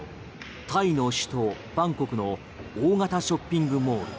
タイの首都バンコクの大型ショッピングモール